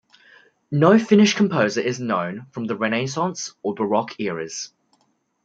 No Finnish composer is known from the Renaissance or Baroque eras.